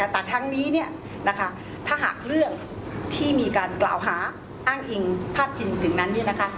แต่ทั้งนี้ถ้าหากเรื่องที่มีการกล่าวหาอ้างอิงพาดพิงถึงนั้น